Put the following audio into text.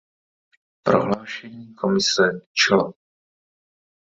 Prohlášení Komise k čl.